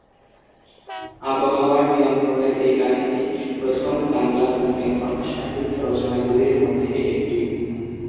আবহাওয়ার নিয়ন্ত্রণের এই কাহিনী, প্রথম বাংলা বিজ্ঞান কথাসাহিত্য রচনাগুলির মধ্যে একটি।